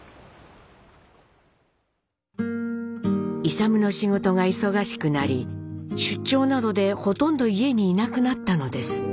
勇の仕事が忙しくなり出張などでほとんど家に居なくなったのです。